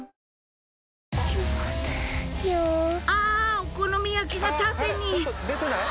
お好み焼きが縦に！